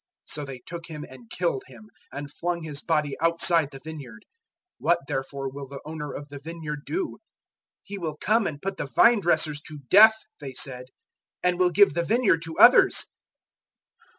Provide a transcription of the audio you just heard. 012:008 "So they took him and killed him, and flung his body outside the vineyard. 012:009 What, therefore, will the owner of the vineyard do?" "He will come and put the vine dressers to death," they said; "and will give the vineyard to others."